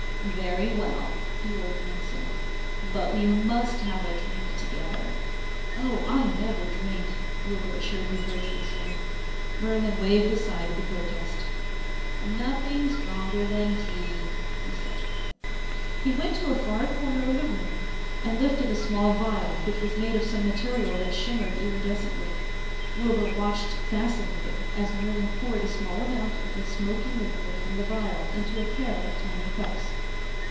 "Very well," the old man said. "But we must have a drink together." "Oh, I never drink," Wilbur assured him virtuously. Merlin waved aside the protest. "Nothing stronger than tea," he said. He went to a far corner of the room and lifted a small vial which was made of some material that shimmered irridescently. Wilbur watched fascinated as Merlin poured a small amount of a smoky liquid from the vial into a pair of tiny cups.